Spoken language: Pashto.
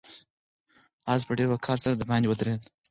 آس په ډېر وقار سره د باندې ودرېد.